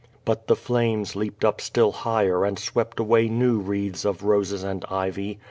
But the flames. leaped up still higher and swept away new wreaths of roses and ivy.